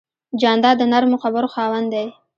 جانداد د نرمو خبرو خاوند دی.